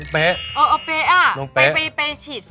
เป็หนอทิต